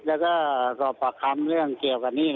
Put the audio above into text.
แล้วก็ประคัมเรื่องเกี่ยวกับนี่